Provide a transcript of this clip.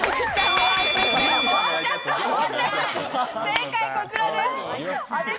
正解はこちらです。